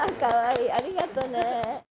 ありがとね。